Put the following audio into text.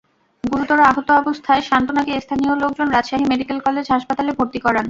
গুরুতর আহত অবস্থায় সান্ত্বনাকে স্থানীয় লোকজন রাজশাহী মেডিকেল কলেজ হাসপাতালে ভর্তি করান।